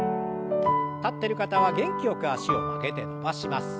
立ってる方は元気よく脚を曲げて伸ばします。